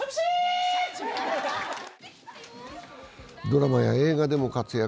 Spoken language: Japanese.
ドラマや映画でも活躍。